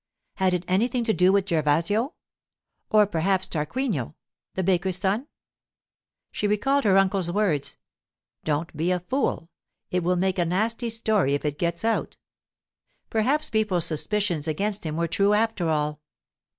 Had it anything to do with Gervasio?—or perhaps Tarquinio, the baker's son? She recalled her uncle's words: 'Don't be a fool. It will make a nasty story if it gets out.' Perhaps people's suspicions against him were true, after all.